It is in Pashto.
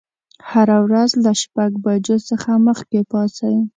هره ورځ له شپږ بجو څخه مخکې پاڅئ.